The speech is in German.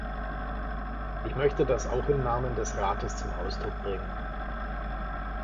Ich möchte das auch im Namen des Rates zum Ausdruck bringen.